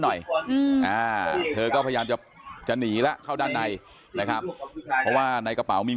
หน่อยเธอก็พยายามจะหนีแล้วเข้าด้านในนะครับเพราะว่าในกระเป๋ามี